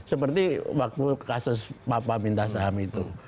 seperti waktu kasus papa minta saham itu